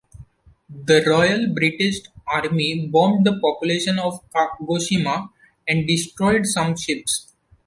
The Royal British Army bombed the population of Kagoshima and destroyed some ships.